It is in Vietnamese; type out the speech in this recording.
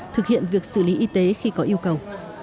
thực hiện việc xử lý y tế khi có yêu cầu